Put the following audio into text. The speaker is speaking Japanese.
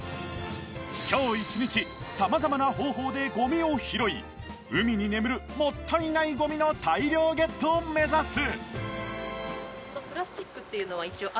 今日一日様々な方法でゴミを拾い海に眠るもったいないゴミの大量ゲットを目指す！